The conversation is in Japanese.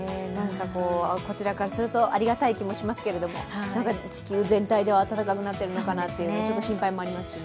こちらからすると、ありがたい気もしますけど、地球全体では暖かくなってるのかなとちょっと心配もありますしね。